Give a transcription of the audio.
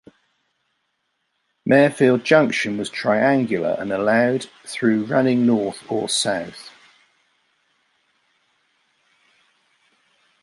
Marefield Junction was triangular and allowed through running north or south.